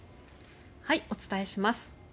お伝えします。